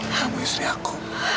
kamu istri aku